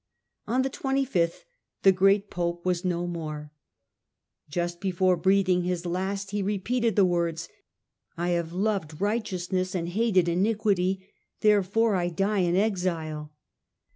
On the 25th the great pope was no more; just before breathing his last he repeated the words, 'I have loved righteousness and hated iniquity — ^therefore I die in exile.'